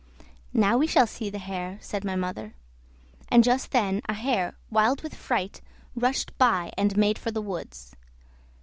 "Now we shall see the hare," said my mother; and just then a hare wild with fright rushed by and made for the woods.